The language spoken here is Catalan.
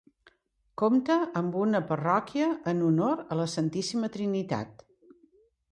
Compta amb una parròquia en honor a la Santíssima Trinitat.